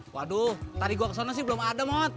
waduh tadi gue kesana sih belum ada mot